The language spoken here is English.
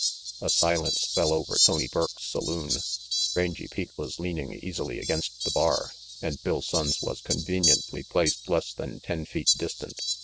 A silence fell over Tony Burke's saloon. Rangy Pete was leaning easily against the bar, and Bill Sonnes was conveniently placed less than ten feet distant.